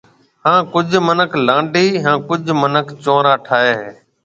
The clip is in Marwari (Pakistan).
ھان ڪجھ مِنک لانڊَي ھان ڪجھ چنورا ٺائيَ ھيََََ